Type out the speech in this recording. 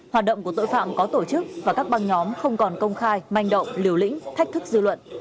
hoạt động của tội phạm có tổ chức và các băng nhóm không còn công khai manh động liều lĩnh thách thức dư luận